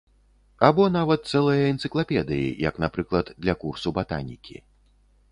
Або нават цэлыя энцыклапедыі, як, напрыклад, для курсу батанікі.